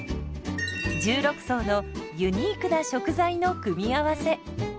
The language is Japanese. １６層のユニークな食材の組み合わせ。